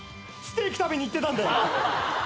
ステーキ食べに行ってたんだよ。